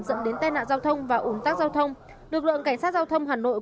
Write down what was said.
dẫn đến tai nạn giao thông và ủn tắc giao thông lực lượng cảnh sát giao thông hà nội